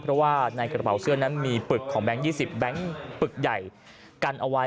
เพราะว่าในกระเป๋าเสื้อนั้นมีปึกของแบงค์๒๐แบงค์ปึกใหญ่กันเอาไว้